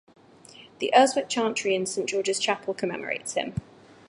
The Urswick Chantry in Saint George's Chapel commemorates him.